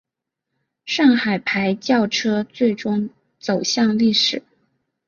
上海牌轿车最终走向历史。